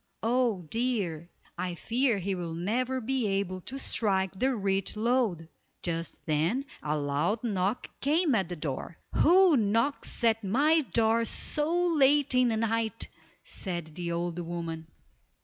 Oh, dear! I fear he will never be able to strike the rich lode." Just then a loud knock came at the door. "Who knocks at my door so late in the night," said the old woman.